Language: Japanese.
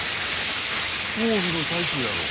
講義の最中やろう。